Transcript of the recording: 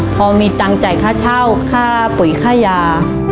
พอมีตังค์จ่ายค่าเช่าค่าปุ๋ยค่ายา